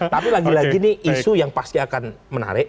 tapi lagi lagi ini isu yang pasti akan menarik